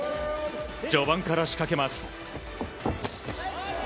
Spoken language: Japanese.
序盤から仕掛けます。